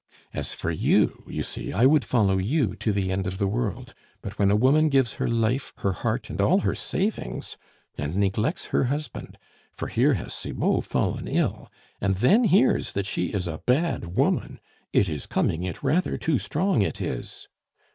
As for you, you see, I would follow you to the end of the world; but when a woman gives her life, her heart, and all her savings, and neglects her husband (for here has Cibot fallen ill), and then hears that she is a bad woman it is coming it rather too strong, it is."